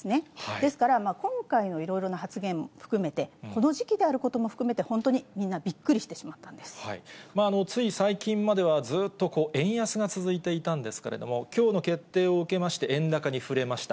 ですから、今回のいろいろな発言も含めて、この時期であることも含めて、本当にみんな、びっくりつい最近までは、ずっと円安が続いていたんですけれども、きょうの決定を受けまして、円高に振れました。